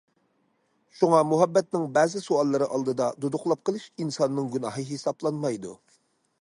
شۇڭا مۇھەببەتنىڭ بەزى سوئاللىرى ئالدىدا دۇدۇقلاپ قېلىش ئىنساننىڭ گۇناھى ھېسابلانمايدۇ.